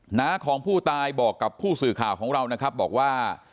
หน้าของผู้ตายบอกกับผู้สื่อข่าวของเรานะครับบอกว่า